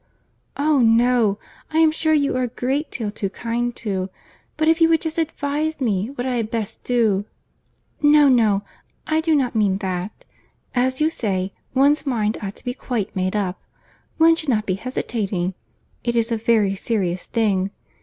"Oh! no, I am sure you are a great deal too kind to—but if you would just advise me what I had best do—No, no, I do not mean that—As you say, one's mind ought to be quite made up—One should not be hesitating—It is a very serious thing.